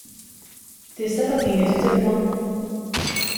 " Tista' tagħtini ftit ilma? "